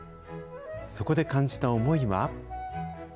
そこで感じた思いは。